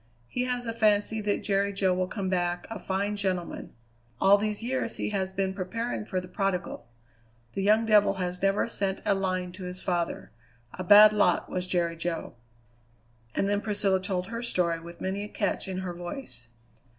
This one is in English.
He has a fancy that Jerry Jo will come back a fine gentleman. All these years he has been preparing for the prodigal. The young devil has never sent a line to his father. A bad lot was Jerry Jo." And then Priscilla told her story with many a catch in her voice.